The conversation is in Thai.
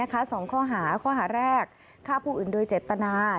สองข้อหาข้อหาแรกฆ่าผู้อื่นโดยเจตนา